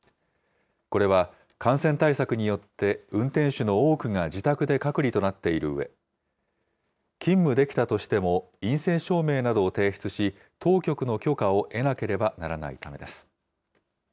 これは感染対策によって運転手の多くが自宅で隔離となっているうえ、勤務できたとしても、陰性証明などを提出し、当局の許可を得なければならないためです。